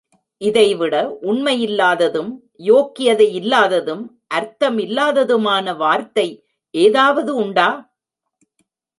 இதைவிட உண்மையில்லாததும், யோக்கியதை இல்லாததும், அர்த்தமில்லாததுமான வார்த்தை ஏதாவது உண்டா?